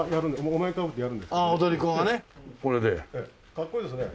かっこいいですね。